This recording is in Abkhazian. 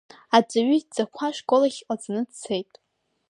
Аҵаҩы идҵақәа ашкол ахь ҟаҵаны дцеит.